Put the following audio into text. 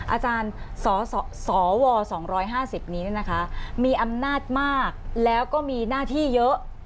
อาจารย์สว๒๕๐นี้มีอำนาจมากแล้วก็มีหน้าที่เยอะ